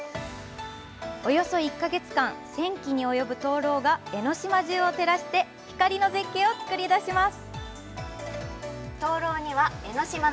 およそ１か月間、１０００基に及ぶ灯籠が江の島中を照らして光の絶景を作り出します。